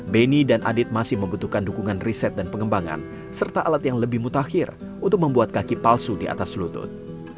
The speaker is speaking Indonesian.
beni dan adit masih membutuhkan dukungan riset dan pengembangan serta alat yang lebih mutakhir untuk membuat kaki palsu di atas lutut